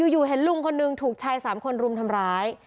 อยู่เห็นลุงคนหนึ่งถูกชาย๓คนรุมทำร้าย